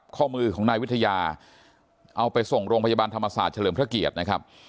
ข้อมือของนายวิทยาเอาไปส่งโรงพยาบาลธรรมศาสตร์เฉลิมพระเกียรตินะครับ